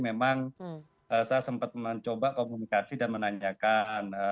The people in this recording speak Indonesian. memang saya sempat mencoba komunikasi dan menanyakan